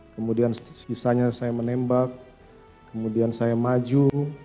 kemudian sisanya saya menembak kemudian saya maju